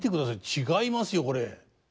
違いますよこれ。